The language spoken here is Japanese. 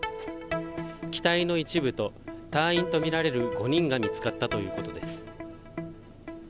機体の一部と、隊員と見られる５人が見つかったということです。